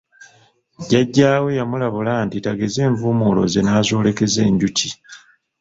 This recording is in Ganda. Jajja we yamulabula nti tageza envumuulo ze n’azoolekeza enjuki.